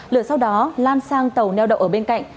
lửa sau đó lan sang tàu neo đậu ở bên cạnh